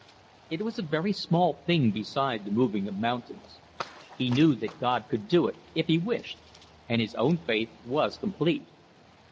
It was a very small thing beside the moving of mountains. He knew that God could do it if He wished, and his own faith was complete.